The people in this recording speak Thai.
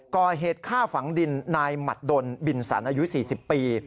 ก่อเหตุฆ่าฝังดินนายหมัดดนบินสันอายุ๔๐ปี